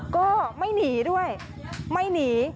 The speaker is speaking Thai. ก็ไม่หนีด้วยไม่หนี